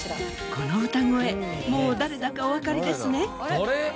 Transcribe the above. この歌声もう誰だかおわかりですね？